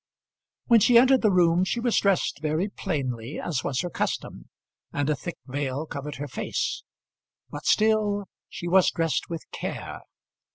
When she entered the room she was dressed very plainly as was her custom, and a thick veil covered her face; but still she was dressed with care.